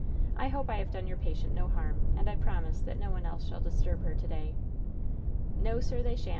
"I hope I have done your patient no harm, and I promise that no one else shall disturb her to day." "No, sir, that they shanH